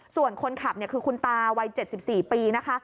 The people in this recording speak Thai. ส่วนคนขับคือคุณตาวัย๗๔ปีนะคะ